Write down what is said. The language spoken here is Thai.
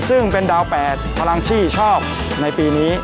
ซึ่งเป็นดาว๘พลังที่ชอบในปีนี้